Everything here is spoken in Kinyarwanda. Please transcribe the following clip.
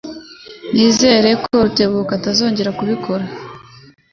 Nizere ko Rutebuka atazongera kubikora.